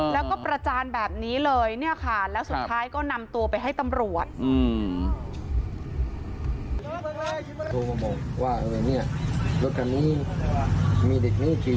แล้วก็ประจานแบบนี้เลยเนี่ยค่ะแล้วสุดท้ายก็นำตัวไปให้ตำรวจ